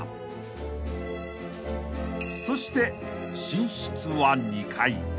［そして寝室は２階］